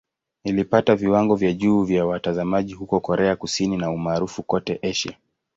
Ilipata viwango vya juu vya watazamaji huko Korea Kusini na umaarufu kote Asia.